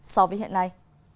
so với hiện nay